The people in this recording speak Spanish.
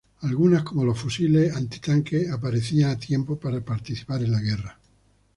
Algunas, como los fusiles antitanque, aparecerían a tiempo para participar en la guerra.